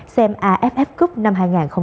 xem aff cup năm hai nghìn hai mươi hai